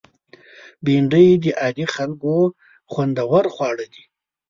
بېنډۍ د عادي خلکو خوندور خواړه دي